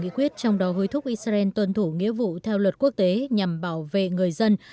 nghị quyết trong đó hối thúc israel tuân thủ nghĩa vụ theo luật quốc tế nhằm bảo vệ người dân